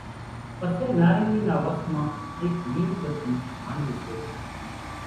پسي نارينگي نا وس مان ايڪ ميڻ ٻتي ھاڻوي سي